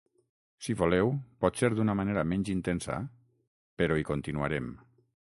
Si voleu, potser d’una manera menys intensa, però hi continuarem.